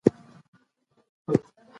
هغه له ځواب ورکولو څخه په ډېر مهارت تښتي.